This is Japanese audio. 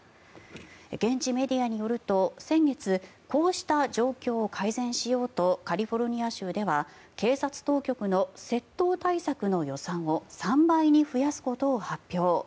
現地メディアによると、先月こうした状況を改善しようとカリフォルニア州では警察当局の窃盗対策の予算を３倍に増やすことを発表。